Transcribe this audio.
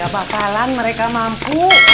gak bakalan mereka mampu